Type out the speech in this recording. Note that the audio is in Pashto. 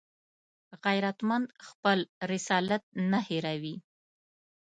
غیرتمند خپل رسالت نه هېروي